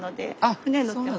船乗ってます。